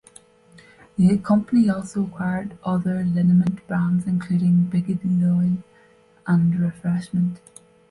The company also acquired other liniment brands including Bigeloil and RefreshMint.